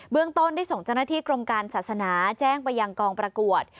เรื่องต้นได้ส่งเจ้าหน้าที่กรมการศาสนาแจ้งไปยังกองประกวด